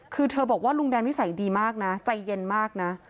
คือเธอบอกว่าลุงแดงนิสัยดีมากนะใจเย็นมากนะ